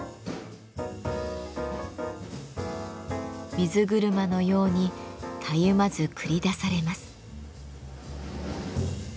水車のようにたゆまず繰り出されます。